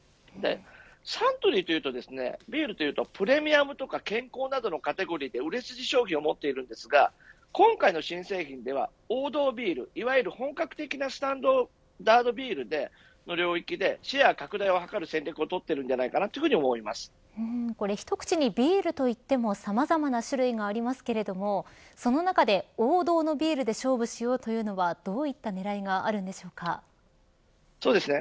サントリーというとビールというとプレミアムや健康などのカテゴリーで売れ筋商品を持っているんですが今回の新製品では、王道ビールいわゆる本格的なスタンダードビールでの領域でシェア拡大を図ろうという戦略をこれ一口にビールといってもさまざまな種類がありますがその中で王道のビールで勝負しようというのはどういった狙いがそうですね